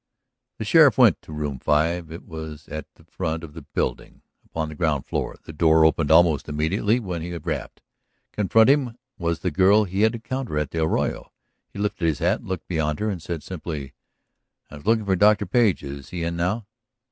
The sheriff went to Room 5. It was at the front of the building, upon the ground floor. The door opened almost immediately when he rapped. Confronting him was the girl he had encountered at the arroyo. He lifted his hat, looked beyond her, and said simply: "I was looking for Dr. Page. Is he in now?"